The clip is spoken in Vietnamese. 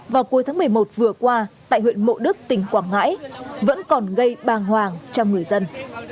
vào cuối tháng một mươi một vừa qua tại huyện mộ đức tỉnh quảng ngãi vẫn còn gây bàng hoàng cho người dân